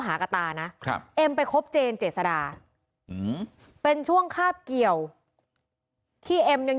หากับตานะครับเอ็มไปคบเจนเจษดาเป็นช่วงคาบเกี่ยวที่เอ็มยัง